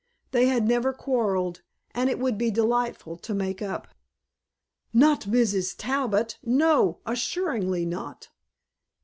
They had never quarrelled and it would be delightful to make up. "Not Mrs. Talbot! No! Assuredly not!"